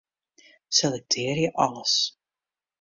Selektearje alles.